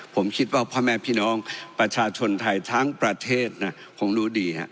ผมคิดว่าพ่อแม่พี่น้องประชาชนไทยทั้งประเทศนะคงรู้ดีฮะ